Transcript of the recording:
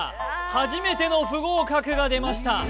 初めての不合格が出ました